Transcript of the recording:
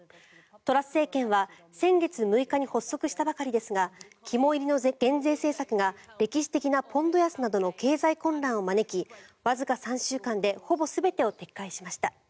トラス政権は先月６日に発足したばかりですが肝煎りの減税政策が歴史的なポンド安などの経済混乱を招きわずか３週間でほぼ全てを撤回しました。